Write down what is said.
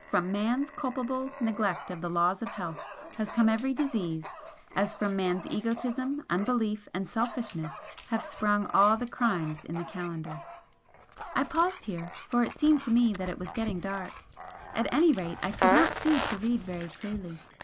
From Man's culpable carelessness and neglect of the laws of health has come every disease, as from Man's egotism, unbelief and selfishness have sprung all the crimes in the calendar." I paused here, for it seemed to me that it was getting dark, at any rate I could not see to read very clearly.